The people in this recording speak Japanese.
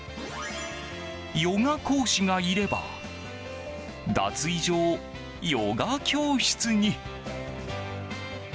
ヨガ講師がいれば脱衣所をヨガ教室に。